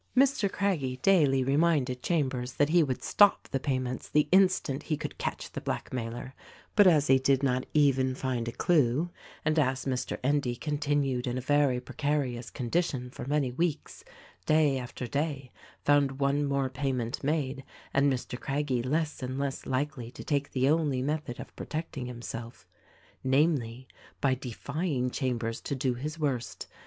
Mr. Craggie daily reminded Chambers that he would stop the payments the instant he could catch the black mailer ; but as he did not even find a clew, and as Mr. Endy continued in a very precarious condition for many weeks, day after day found one more payment made and Mr. Craggie less and less likely to take the only method of protecting himself; namely, by defying Chambers to do his worst.